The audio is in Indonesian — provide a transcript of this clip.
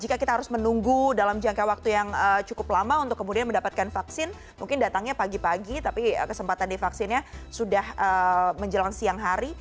jika kita harus menunggu dalam jangka waktu yang cukup lama untuk kemudian mendapatkan vaksin mungkin datangnya pagi pagi tapi kesempatan di vaksinnya sudah menjelang siang hari